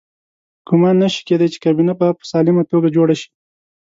ګمان نه شي کېدای چې کابینه به په سالمه توګه جوړه شي.